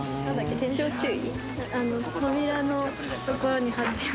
「天井注意」？